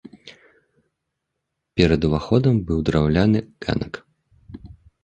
Перад уваходам быў драўляны ганак.